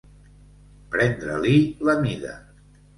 Prendre-li la mida.